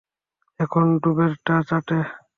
এখন ডুবেরটা চাটে।